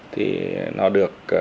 thì nó được